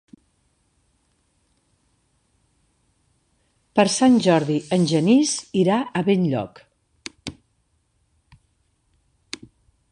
Per Sant Jordi en Genís irà a Benlloc.